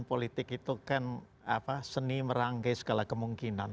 politik itu kan seni merangkai segala kemungkinan